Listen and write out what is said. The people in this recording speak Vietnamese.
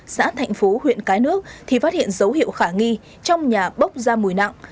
xã thạnh phú huyện cái nước thì phát hiện dấu hiệu khả nghi trong nhà bốc ra mùi nặng